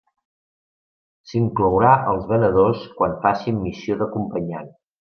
S'inclourà els venedors quan facin missió d'acompanyant.